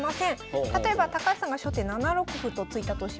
例えば高橋さんが初手７六歩と突いたとします。